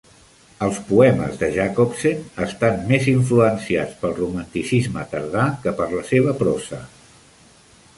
Els poemes de Jacobsen estan més influenciats pel romanticisme tardà que per la seva prosa.